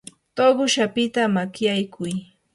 tuqush apita makyaykuy.